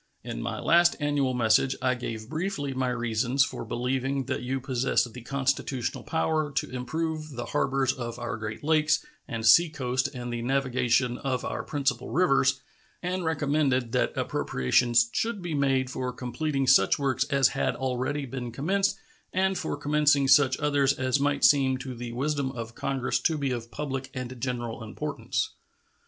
In my last annual message I gave briefly my reasons for believing that you possessed the constitutional power to improve the harbors of our Great Lakes and seacoast and the navigation of our principal rivers, and recommended that appropriations should be made for completing such works as had already been commenced and for commencing such others as might seem to the wisdom of Congress to be of public and general importance.